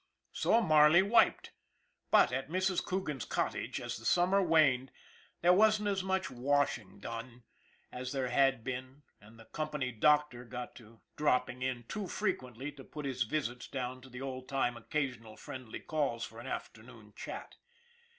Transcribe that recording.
So Marley wiped ; but at Mrs. Coogan's cottage, as the summer waned, there wasn't as much washing done 226 ON THE IRON AT BIG CLOUD as there had been, and the company doctor got to drop ping in too frequently to put his visits down to the old time occasional friendly calls for an afternoon chat.